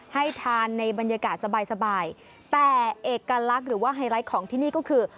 ให้ทานในบรรยากาศสบายสบายแต่เอกลักษณ์หรือว่าไฮไลท์ของที่นี่ก็คือ